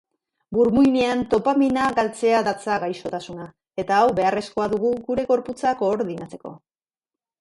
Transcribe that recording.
Burmuinean dopamina galtzean datza gaixotasuna, eta hau beharrezkoa dugu gure gorputza koordinatzeko.